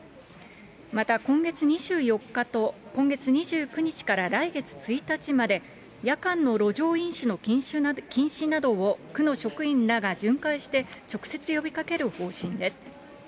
また今月２４日と今月２９日から来月１日まで、夜間の路上飲酒の禁止などを区の職員らが巡回して直接呼びかける方針です。